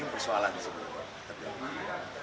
dan ini persoalan sebenarnya